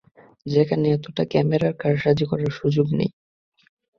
সেখানে এতটা ক্যামেরার কারসাজি করার সুযোগ নেই।